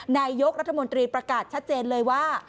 นายกรัฐมนตรีประกาศชัดเจนเลยว่า